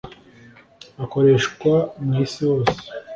akoreshwa mu isi hose